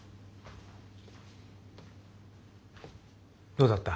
どうだった？